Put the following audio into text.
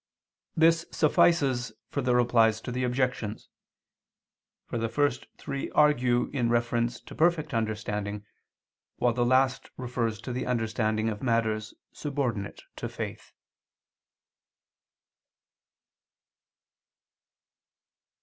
This suffices for the Replies to the Objections: for the first three argue in reference to perfect understanding, while the last refers to the understanding of matters subordinate to faith.